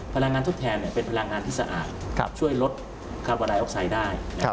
พลังงานทดแทนเป็นพลังงานที่สะอาดช่วยลดคาวารายออกไซด์ได้